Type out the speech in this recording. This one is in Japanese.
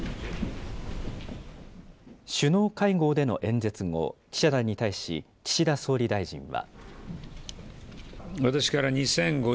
首脳会合での演説後、記者団に対し、岸田総理大臣は。